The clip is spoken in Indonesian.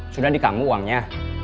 sudah di kamu uangnya